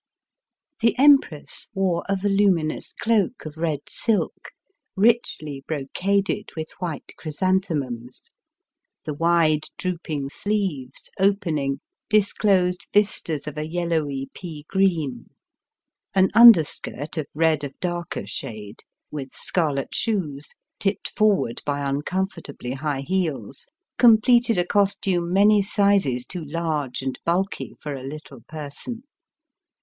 The Empress wore a voluminous cloak of red silk, richly brocaded with white chrysan Digitized by VjOOQIC 230 EAST BY WEST. themums. The wide drooping sleeves opening, disclosed vistas of a yellowy pea green. An under skirt of red of darker shade, with scarlet shoes, tipped forward by uncomfortably high heels, completed a costume many sizes too large and bulky for a Uttle person.